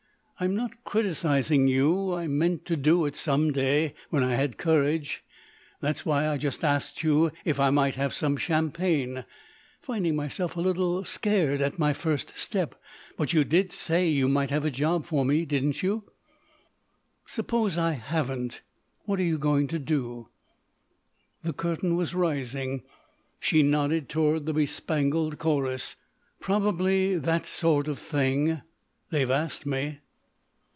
"I'm not criticising you. I meant to do it some day—when I had courage. That's why I just asked you if I might have some champagne—finding myself a little scared at my first step.... But you did say you might have a job for me. Didn't you?" "Suppose I haven't. What are you going to do?" The curtain was rising. She nodded toward the bespangled chorus. "Probably that sort of thing. They've asked me."